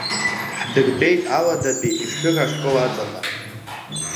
Ҳдыртәеит Аладатәи Ешыра ашкол аҵаҟа.